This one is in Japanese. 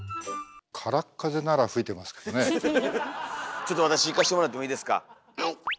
ちょっと私いかせてもらってもいいですか？